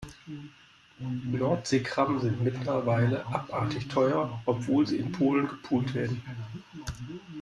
Nordseekrabben sind mittlerweile abartig teuer, obwohl sie in Polen gepult werden.